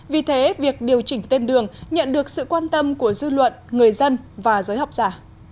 vì thế việc điều chỉnh tên đường nhận được sự quan tâm của dư luận người dân và giới học giả